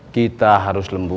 kita harus lembut